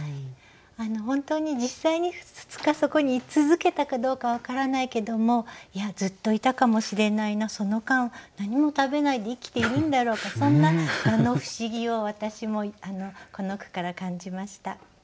本当に実際に２日そこに居続けたかどうか分からないけどもいやずっといたかもしれないなその間何も食べないで生きているんだろうかそんな蛾の不思議を私もこの句から感じました。